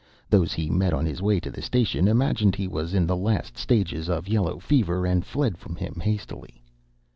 Those he met on his way to the station imagined he was in the last stages of yellow fever, and fled from him hastily.